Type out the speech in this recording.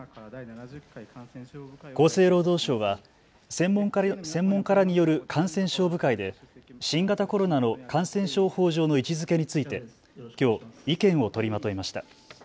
厚生労働省は専門家らによる感染症部会で新型コロナの感染症法上の位置づけについてきょう意見を取りまとめました。